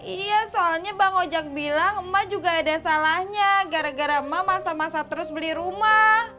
iya soalnya bang ojek bilang ma juga ada salahnya gara gara emak masa masa terus beli rumah